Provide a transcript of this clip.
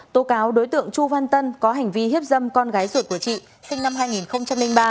tố cáo đối tượng chu văn tân có hành vi hiếp dâm con gái ruột của chị sinh năm hai nghìn ba